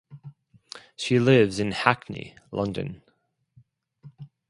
She lives in Hackney, London.